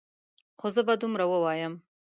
خو زه به دومره ووایم.